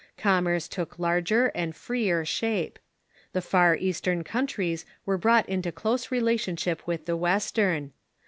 Commerce took larger and freer shape. The far Eastern countries were brought into close relationship with the Western.